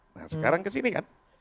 nah sekarang kesini kan